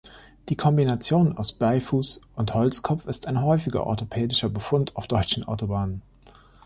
Die Kombination aus Bleifuß und Holzkopf ist ein häufiger orthopädischer Befund auf deutschen Autobahnen.